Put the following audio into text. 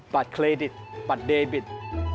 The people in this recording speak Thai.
บัตรเครดิตบัตรเดวิต